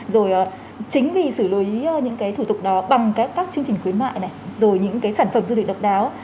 rồi chính vì xử lý những cái thủ tục đó bằng các chương trình khuyến mại này rồi những cái sản phẩm du lịch độc đáo